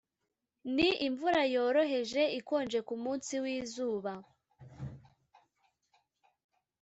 ni imvura yoroheje ikonje kumunsi wizuba.